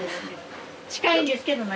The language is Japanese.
近いんですけどない。